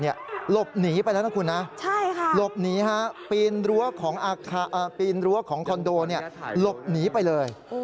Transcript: หลบหนีไปแล้วนะคุณนะหลบหนีปีนรั้วของปีนรั้วของคอนโดหลบหนีไปเลย